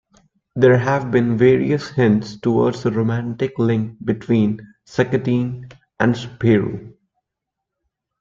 There have been various hints towards a romantic link between Seccotine and Spirou.